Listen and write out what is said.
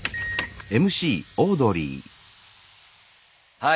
はい。